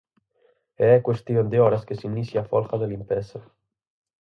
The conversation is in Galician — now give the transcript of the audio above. E é cuestión de horas que se inicie a folga de limpeza.